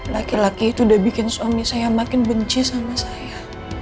laki laki itu udah bikin suami saya makin benci sama saya